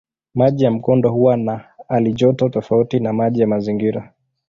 Maji ya mkondo huwa na halijoto tofauti na maji ya mazingira.